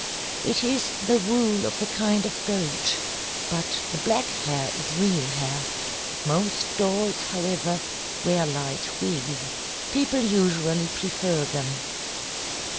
It is the wool of a kind of goat. But the black hair is real hair. Most dolls, however, wear light wigs. People usually prefer them."